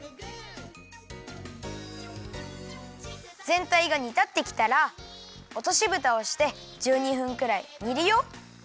ぜんたいがにたってきたらおとしぶたをして１２分くらいにるよ。